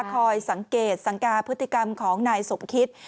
คอยสังเกตสังกาพฤติกรรมของนายสมคิต